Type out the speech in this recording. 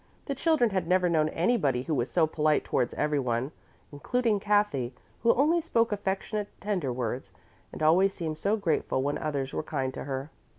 The children had never known anybody who was so polite towards everyone, including Kathy, who only spoke affectionate, tender words, and always seemed so grateful when others were kind to her.